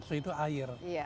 shui itu air